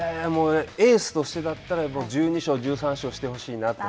エースとしてだったら、１２勝、１３勝してほしいなと。